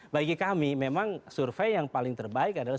bagi kami memang survei yang paling terbaik adalah